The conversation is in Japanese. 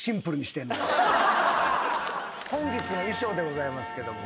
本日の衣装でございますけども。